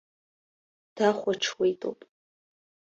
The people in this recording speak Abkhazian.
Дахәаҽуеитоуп.